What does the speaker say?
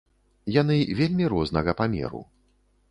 Яны вельмі рознага памеру.